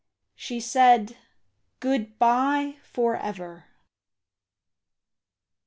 She said, "Good bye for ever."